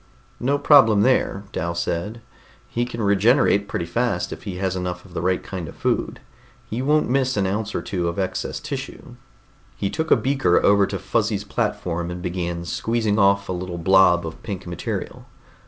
"No problem there," Dal said. "He can regenerate pretty fast if he has enough of the right kind of food. He won't miss an ounce or two of excess tissue." He took a beaker over to Fuzzy's platform and began squeezing off a little blob of pink material.